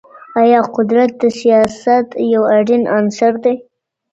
ايا قدرت د سياست يو اړين عنصر دی؟